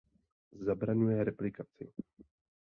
Zabraňuje replikaci.